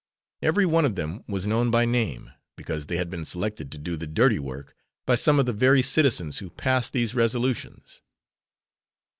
_ Every one of them was known by name, because they had been selected to do the dirty work, by some of the very citizens who passed these resolutions.